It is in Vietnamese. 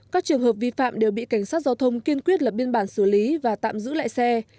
các trường hợp vi phạm đều bị cảnh sát giao thông kiên quyết lập biên bản xử lý và tạm giữ lại xe